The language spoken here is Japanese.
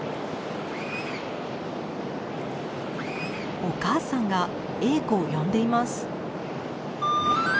お母さんがエーコを呼んでいます。